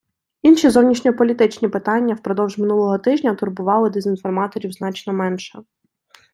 Інші зовнішньополітичні питання впродовж минулого тижня турбували дезінформаторів значно менше.